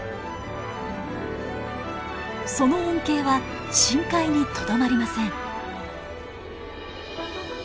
その恩恵は深海にとどまりません。